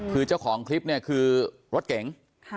คือเจ้าของคลิปเนี่ยคือรถเก๋ง